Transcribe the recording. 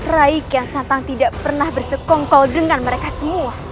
rai kian santan tidak pernah bersekongkol dengan mereka semua